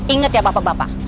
ingat ya bapak bapak